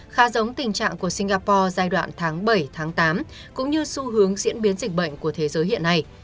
khá giống tình trạng của singapore giai đoạn tháng bảy tháng tám cũng như xu hướng diễn biến dịch bệnh của thế giới hiện nay